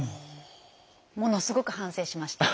ものすごく反省しました。